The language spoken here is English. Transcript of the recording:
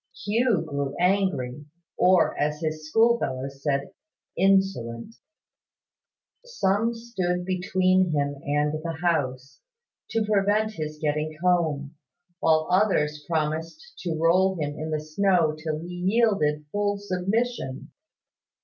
Hugh grew angry, or, as his schoolfellows said, insolent. Some stood between him and the house, to prevent his getting home, while others promised to roll him in the snow till he yielded full submission.